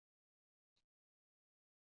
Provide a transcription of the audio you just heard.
羊臼河站南下昆明方向有六渡河展线。